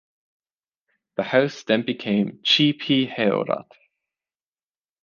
The house then became Chi Phi Heorot.